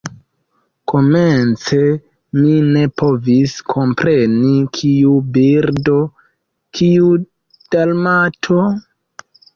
Komence mi ne povis kompreni, kiu birdo, kiu Dalmato?